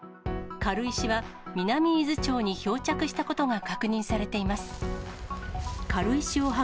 軽石は南伊豆町に漂着したことが確認されています。